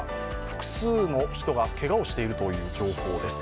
複数の人が、けがをしているという情報です。